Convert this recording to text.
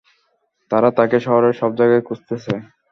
তারা তাকে শহরের সবজায়গায় খুঁজতেছে।